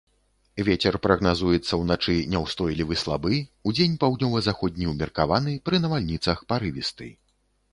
Вецер прагназуецца ўначы няўстойлівы слабы, удзень паўднёва-заходні ўмеркаваны, пры навальніцах парывісты.